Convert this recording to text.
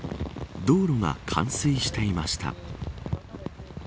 道路が冠水していました。